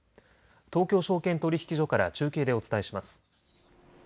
東京証券取引所から中継でお伝えします。